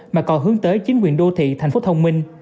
mà còn hướng tới chính quyền đô thị tp hcm